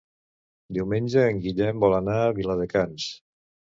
Diumenge en Guillem vol anar a Viladecans.